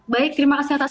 baik terima kasih atas